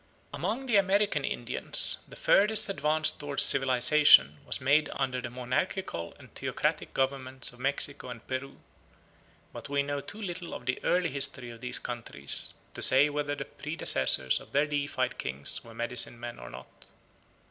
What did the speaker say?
Among the American Indians the furthest advance towards civilisation was made under the monarchical and theocratic governments of Mexico and Peru; but we know too little of the early history of these countries to say whether the predecessors of their deified kings were medicine men or not.